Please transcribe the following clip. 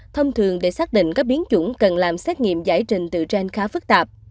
thông thường để xác định các biến chủng cần làm xét nghiệm giải trình từ trên khá phức tạp